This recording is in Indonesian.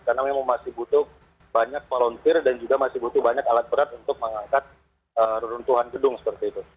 karena memang masih butuh banyak volunteer dan juga masih butuh banyak alat berat untuk mengangkat runtuhan gedung seperti itu